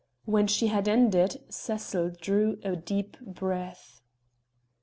When she had ended Cecil drew a deep breath.